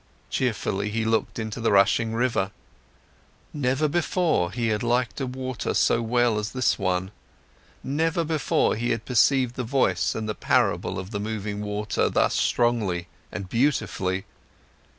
Cheerfully, he looked into the rushing river, never before he had liked a water so well as this one, never before he had perceived the voice and the parable of the moving water thus strongly and beautifully.